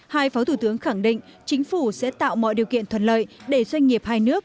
hai phó thủ tướng khẳng định chính phủ sẽ tạo mọi điều kiện thuận lợi để doanh nghiệp hai nước